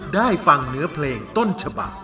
ได้ฟังเนื้อเพลงต้นฉบัก